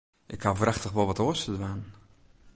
Ik haw wrachtich wol wat oars te dwaan.